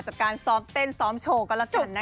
จากการซ้อมเต้นซ้อมโชว์กันแล้วกันนะคะ